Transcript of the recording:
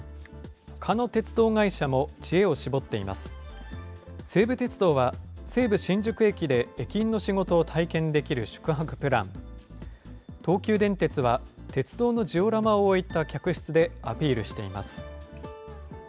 西武鉄道は、西武新宿駅で駅員の仕事を体験できる宿泊プラン、東急電鉄は鉄道のジオラマを置いた客室でアピールしています。